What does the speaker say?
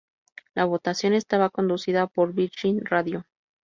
La votación estaba conducida por "Virgin Radio".